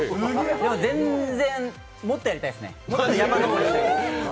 でも全然、もっとやりたいですね、山登り。